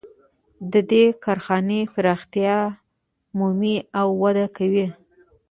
د دې کارخانې پراختیا مومي او وده کوي